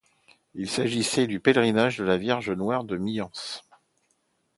Il s'agissait du pèlerinage à la Vierge Noire de Myans.